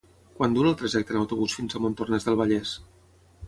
Quant dura el trajecte en autobús fins a Montornès del Vallès?